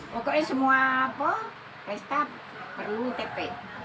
pokoknya semua apa pesta perlu tepek